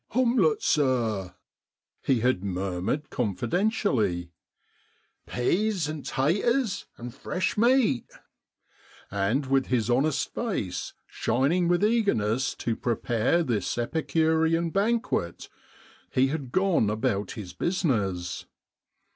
" Homlette, sir," he had murmured con fidentially, " peas and taters, and fresh meat !" and with his honest face shining with eagerness to prepare this Epicurean banquet he had gone about his business.